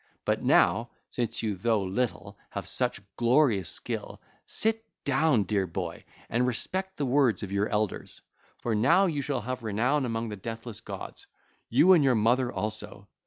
But now, since you, though little, have such glorious skill, sit down, dear boy, and respect the words of your elders. For now you shall have renown among the deathless gods, you and your mother also.